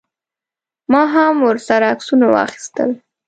ما هم ورسره عکسونه واخیستل.